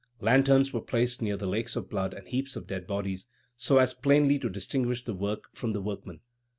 Lanterns were placed near the lakes of blood and heaps of dead bodies, so as plainly to distinguish the work from the workmen.